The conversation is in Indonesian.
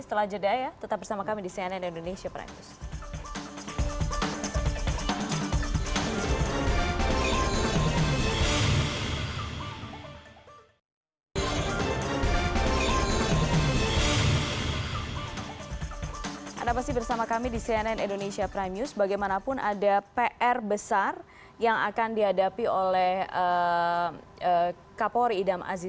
setelah jadinya tetap bersama kami di sdi